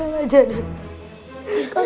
aku gak mau dimasukin ke panti asuhan